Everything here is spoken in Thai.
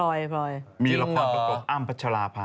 โอลี่คัมรี่ยากที่ใครจะตามทันโอลี่คัมรี่ยากที่ใครจะตามทัน